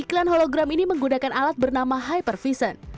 iklan hologram ini menggunakan alat bernama hypervison